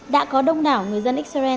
đã có đông đảo người dân israel